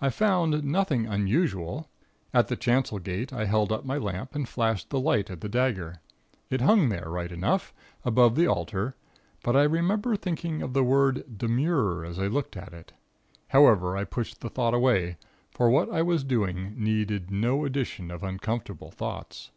I found nothing unusual. At the chancel gate I held up my lamp and flashed the light at the dagger. It hung there, right enough, above the altar, but I remember thinking of the word 'demure,' as I looked at it. However, I pushed the thought away, for what I was doing needed no addition of uncomfortable thoughts.